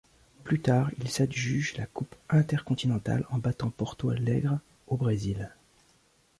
Plus tard, ils s'adjugent la Coupe Intercontinentale, en battant Porto Alegre au Brésil.